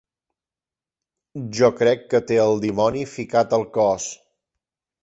Jo crec que té el dimoni ficat al cos.